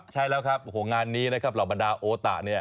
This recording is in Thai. ใช่แล้วครับงานนี้นะครับหล่อบรรดาโอตา